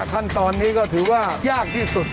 ขั้นตอนนี้ก็ถือว่ายากที่สุด